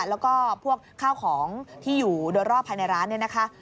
แล้วก็พวกข้าวของที่อยู่โดยรอบภายในร้านเนี่ยนะคะ